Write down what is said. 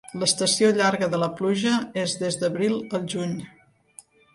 L'estació llarga de la pluja és des d'abril al juny.